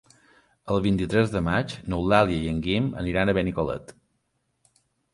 El vint-i-tres de maig n'Eulàlia i en Guim aniran a Benicolet.